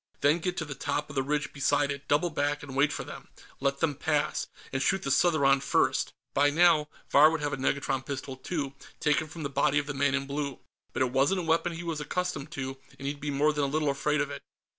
Then get to the top of the ridge beside it, double back, and wait for them. Let them pass, and shoot the Southron first. By now, Vahr would have a negatron pistol too, taken from the body of the man in blue, but it wasn't a weapon he was accustomed to, and he'd be more than a little afraid of it.